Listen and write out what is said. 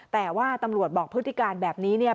แต่ว่าตำรวจบอกพฤติการแบบนี้เนี่ย